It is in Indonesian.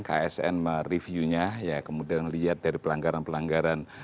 ksn mereviewnya kemudian melihat dari pelanggaran pelanggaran